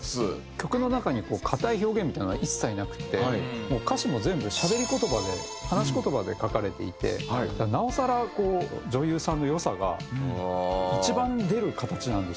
曲の中に硬い表現みたいなのが一切なくて歌詞も全部しゃべり言葉で話し言葉で書かれていてなおさら女優さんの良さが一番出る形なんですよねこれ。